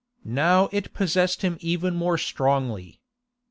Now it possessed him even more strongly.